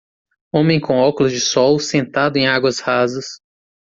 Homem com óculos de sol sentado em águas rasas